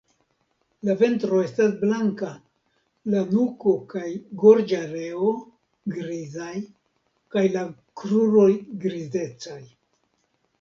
La ventro estas blanka, la nuko kaj gorĝareo grizaj kaj la kruroj grizecaj.